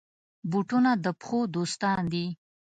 بوټونه د پښو دوستان دي.